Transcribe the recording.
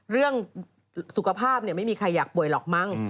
เรื่องสุขภาพไม่มีใครอยากป่วยหรอกมั้ง